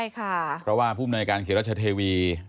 เพราะว่าผู้มนวยการเขตรัชเทวี